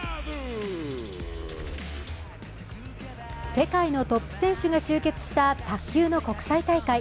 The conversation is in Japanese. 世界のトップ選手が集結した卓球の国際大会。